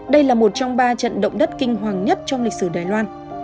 đây là một trong ba trận động đất kinh hoàng nhất trong lịch sử đài loan